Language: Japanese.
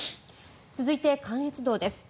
続いて、関越道です。